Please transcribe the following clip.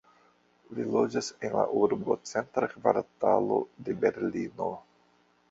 Li loĝas en la urbocentra kvartalo de Berlino.